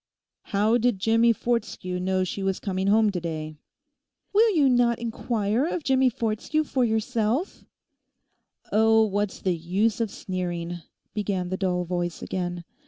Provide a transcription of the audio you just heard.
'How did Jimmie Fortescue know she was coming home to day?' 'Will you not inquire of Jimmie Fortescue for yourself?' 'Oh, what is the use of sneering?' began the dull voice again.